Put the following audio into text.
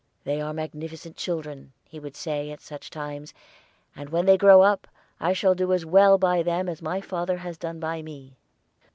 "They are magnificent children," he would say at such times, "and when they grow up I shall do as well by them as my father has done by me."